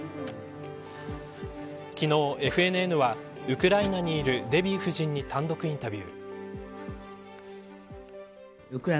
昨日、ＦＮＮはウクライナにいるデヴィ夫人に単独インタビュー。